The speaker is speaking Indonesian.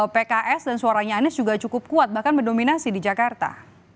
pks dan suaranya anies juga cukup kuat bahkan mendominasi di jakarta